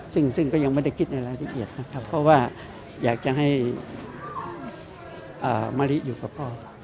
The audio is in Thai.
ซึ่งก็ยังไม่ได้คิดในรายละเอียดนะครับเพราะว่าอยากจะให้มะลิอยู่กับพ่อ